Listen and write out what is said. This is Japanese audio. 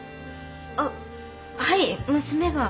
あっはい娘が